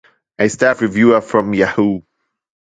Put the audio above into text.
A staff reviewer from Yahoo!